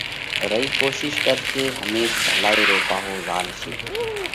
رئي ڪوشِيش ڪرشي۔ هميش ڀلائِي رو پاهو زهالشي